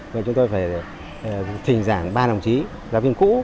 rồi chúng tôi phải thỉnh giảng ba đồng chí giáo viên cũ